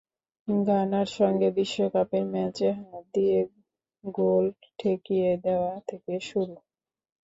ঘানার সঙ্গে বিশ্বকাপের ম্যাচে হাত দিয়ে গোল ঠেকিয়ে দেওয়া থেকে শুরু।